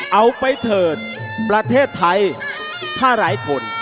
เอาไปเถิดประเทศไทยถ้าหลายคน